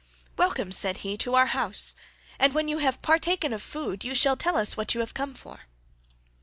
"Welcome," said he, "to our house, and when you have partaken of food you shall tell us what you have come for."